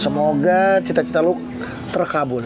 semoga cita cita lo terkabul